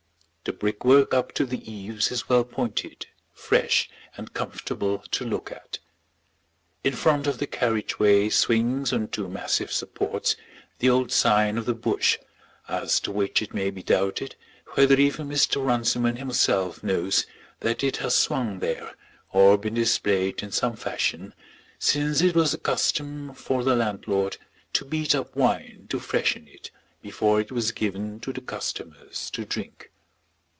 The brickwork up to the eaves is well pointed, fresh, and comfortable to look at. In front of the carriage way swings on two massive supports the old sign of the Bush, as to which it may be doubted whether even Mr. Runciman himself knows that it has swung there, or been displayed in some fashion, since it was the custom for the landlord to beat up wine to freshen it before it was given to the customers to drink.